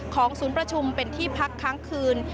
ศูนย์ประชุมเป็นที่พักค้างคืน